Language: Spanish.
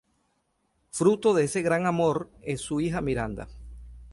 Fruto de ese gran amor es su hija Miranda.